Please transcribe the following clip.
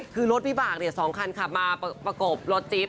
คือรถวิบาก๒คันขับมาประกบรถจิ๊บ